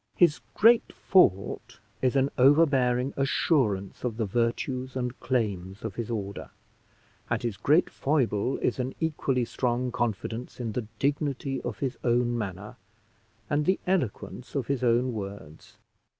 His great fault is an overbearing assurance of the virtues and claims of his order, and his great foible is an equally strong confidence in the dignity of his own manner and the eloquence of his own words.